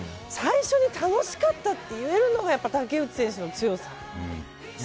最初に楽しかったって言えるのがやっぱり竹内選手の強さ。